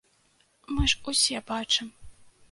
Мы ж усе бачым.